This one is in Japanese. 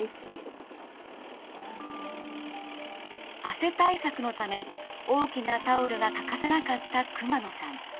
汗対策のため大きなタオルが欠かせなかった熊野さん。